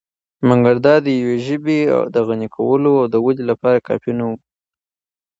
مګر دا دیوې ژبې د غني کولو او ودې لپاره کافی نه وو .